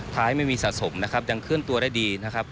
ไม่มีสะสมนะครับยังเคลื่อนตัวได้ดีนะครับ